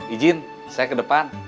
ijin saya ke depan